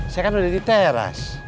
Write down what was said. saya kan udah di teras